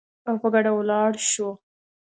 او په ګډه ولاړ شو